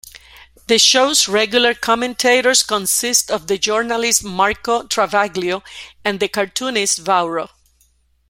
The show's regular commentators consist of the journalist Marco Travaglio and the cartoonist Vauro.